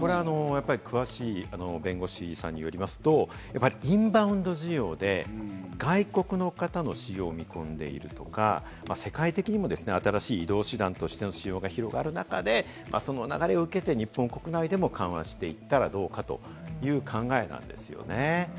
詳しい弁護士さんによりますと、インバウンド需要で外国の方の使用を見込んでいるとか、世界的にも新しい移動手段としての使用が広がる中で、その流れを受けて日本国内でも緩和していったらどうかという考えなんですよね。